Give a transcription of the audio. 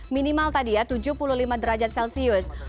minimal tadi ya tujuh puluh lima derajat celcius